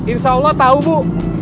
insya allah tau bu